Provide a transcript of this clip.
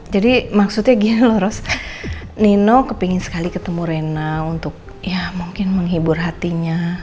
jadi maksudnya gini loh rose nino kepingin sekali ketemu rena untuk ya mungkin menghibur hatinya